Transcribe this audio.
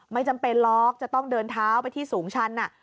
ไม่จำเป็นหรอกจะต้องเดินเท้าไปที่สูงชัน